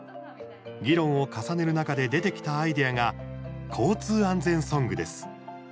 議論を重ねる中で出てきたアイデアが交通安全ソングです。